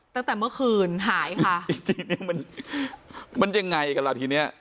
ตั้งแต่เมื่อคืนหายค่ะจริงมันมันยังไงกันล่ะทีเนี้ย